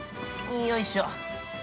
よいしょ。